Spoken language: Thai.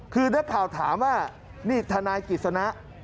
คือนักข่าวถามว่านี่ทนายกิจสนะ